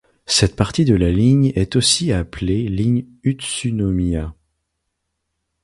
Cette partie de la ligne est aussi appelée ligne Utsunomiya.